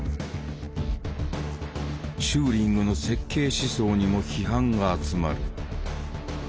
チューリングの設計思想にも批判が集まる。